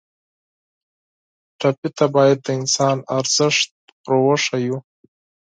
ټپي ته باید د انسان ارزښت ور وښیو.